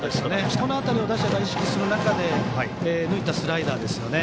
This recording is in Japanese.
この辺りを打者が意識する中で抜いたスライダーですね。